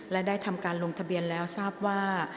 และได้ทำการลงทะเบียนแล้วทราบว่า